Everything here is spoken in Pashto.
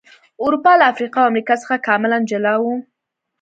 اروپا له افریقا او امریکا څخه کاملا جلا و.